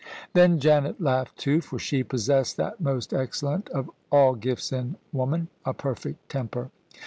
[i6i] THE SUBJECTION Then Janet laughed too, for she possessed that most excel lent of all gifts in woman, a perfect temper.